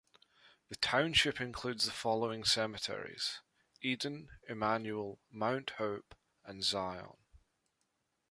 The township includes the following cemeteries: Eden, Immanuel, Mount Hope and Zion.